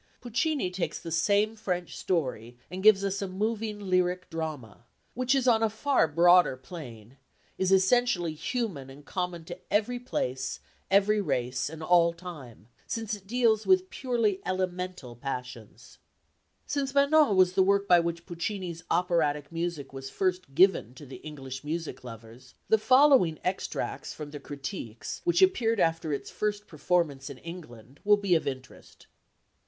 Puccini takes the same French story and gives us a moving lyric drama, which is on a far broader plane, is essentially human and common to every place, every race and all time, since it deals with purely elemental passions. Since Manon was the work by which Puccini's operatic music was first given to the English music lovers, the following extracts from the critiques which appeared after its first performance in England will be of interest.